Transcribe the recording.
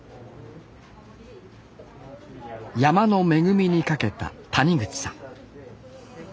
山の恵みにかけた谷口さん